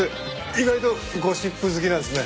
意外とゴシップ好きなんですね。